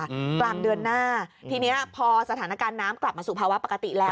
กลางเดือนหน้าทีเนี้ยพอสถานการณ์น้ำกลับมาสู่ภาวะปกติแล้ว